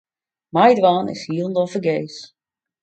Meidwaan is hielendal fergees.